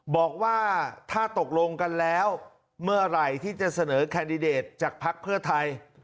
บอกว่าถ้าตกลงกันแล้วเมื่อไหร่ที่จะเสนอแคนดิเดตจากภักดิ์เพื่อไทย